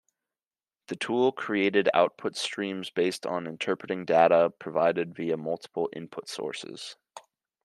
The tool created output streams based on interpreting data provided via multiple input sources.